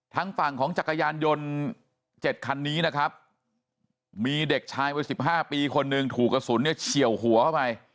ทางฝั่งของจักรยานยนต์๗คันนี้นะครับมีเด็กชายวัย๑๕ปีคนหนึ่งถูกกระสุนเนี่ยเฉียวหัวเข้าไป